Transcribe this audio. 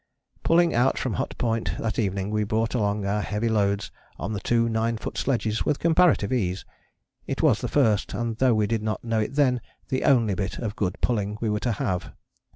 Pulling out from Hut Point that evening we brought along our heavy loads on the two nine foot sledges with comparative ease; it was the first, and though we did not know it then, the only bit of good pulling we were to have.